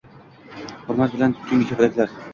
Hurmat bilan "Tunggi kapalaklar"!